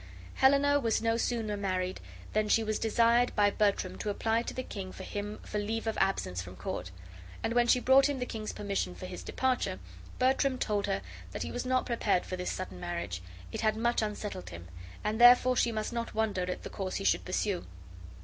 Helena was no sooner married than she was desired by Bertram to apply to the king for him for leave of absence from court; and when she brought him the king's permission for his departure, Bertram told her that he was not prepared for this sudden marriage, it had much unsettled him, and therefore she must not wonder at the course he should pursue.